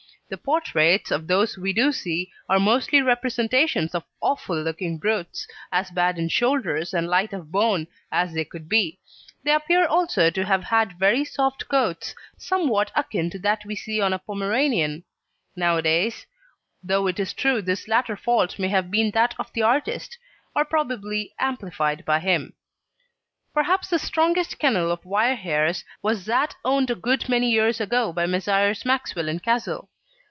The portraits of those we do see are mostly representations of awful looking brutes, as bad in shoulders, and light of bone, as they could be; they appear also to have had very soft coats, somewhat akin to that we see on a Pomeranian nowadays, though it is true this latter fault may have been that of the artist, or probably amplified by him. Perhaps the strongest kennel of wire hairs that has existed was that owned a good many years ago by Messrs. Maxwell and Cassell.